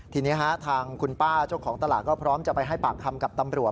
ทีนี้ทางคุณป้าเจ้าของตลาดก็พร้อมจะไปให้ปากคำกับตำรวจ